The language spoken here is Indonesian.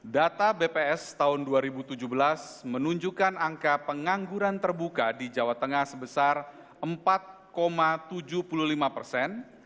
data bps tahun dua ribu tujuh belas menunjukkan angka pengangguran terbuka di jawa tengah sebesar empat tujuh puluh lima persen